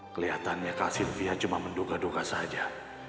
kelihatannya kak sylvia cuma menduga duga saja